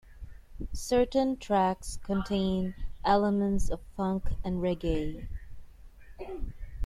Certain tracks contain elements of funk and reggae.